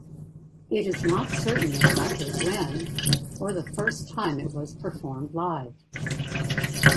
It is not certain exactly when, or the first time it was performed live.